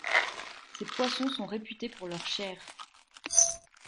Ces poissons sont réputés pour leur chair.